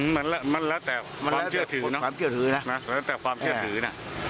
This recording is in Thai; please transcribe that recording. มันแล้วแต่ความเชื่อถือน่ะ